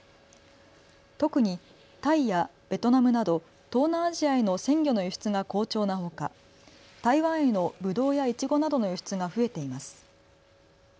特にタイやベトナムなど東南アジアへの鮮魚の輸出が好調なほか台湾へのぶどうやいちごなどの輸出が増えています。